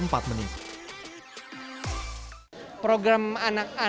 adakah prestri tertempat mereka